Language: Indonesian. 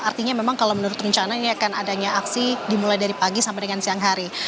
artinya memang kalau menurut rencana ini akan adanya aksi dimulai dari pagi sampai dengan siang hari